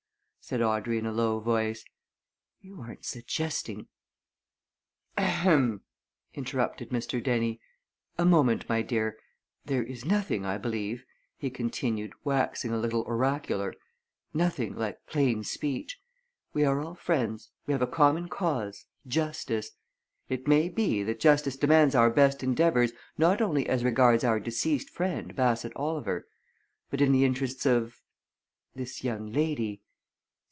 said Audrey in a low voice. "You aren't suggesting " "Ahem!" interrupted Mr. Dennie. "A moment, my dear. There is nothing, I believe," he continued, waxing a little oracular, "nothing like plain speech. We are all friends we have a common cause justice! It may be that justice demands our best endeavours not only as regards our deceased friend, Bassett Oliver, but in the interests of this young lady.